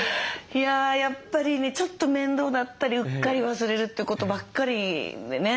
いややっぱりねちょっと面倒だったりうっかり忘れるってことばっかりでね